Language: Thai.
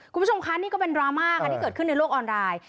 คุณผู้ชมคะนี่ก็เป็นดราม่าค่ะที่เกิดขึ้นในโลกออนไลน์